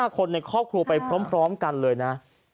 คนในครอบครัวไปพร้อมกันเลยนะ